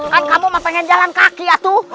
kan kamu mau jalan kaki ya tuh